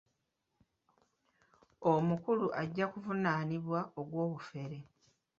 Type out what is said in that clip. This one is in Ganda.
Omukulu ajja kuvunaanibwa ogw'obufere.